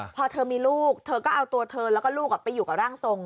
พอเธอมีลูกเธอก็เอาตัวเธอแล้วก็ลูกไปอยู่กับร่างทรง